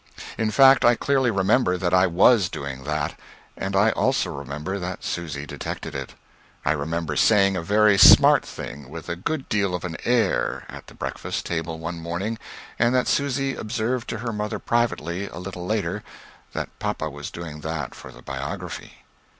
In fact, I clearly remember that I was doing that and I also remember that Susy detected it. I remember saying a very smart thing, with a good deal of an air, at the breakfast table one morning, and that Susy observed to her mother privately, a little later, that papa was doing that for the biography.